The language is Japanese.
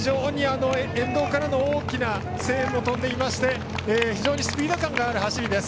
沿道から大きな声援も飛んでいまして非常にスピード感のある走りです。